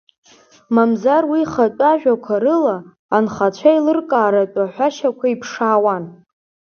Мамзар уи ихатәы ажәақәа рыла, анхацәа еилыркааратәы аҳәашьа иԥшаауан.